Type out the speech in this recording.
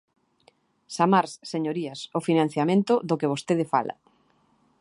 Samars, señorías, o financiamento do que vostede fala.